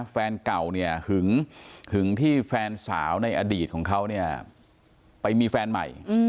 แฟนเก่าหึงที่แฟนสาวในอดีตของเขาไปมีแฟนใหม่